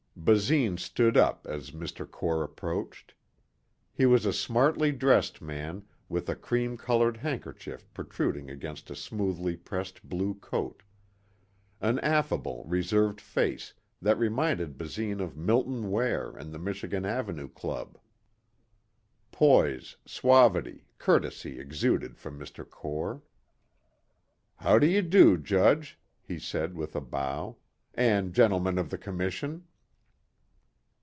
Basine stood up as Mr. Core approached. He was a smartly dressed man with a cream colored handkerchief protruding against a smoothly pressed blue coat; an affable, reserved face that reminded Basine of Milton Ware and the Michigan Avenue Club. Poise, suavity, courtesy exuded from Mr. Core. "How do you do, Judge," he said with a bow, "and Gentlemen of the Commission."